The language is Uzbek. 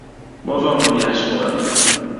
Bozorni yaxshi ko‘raman!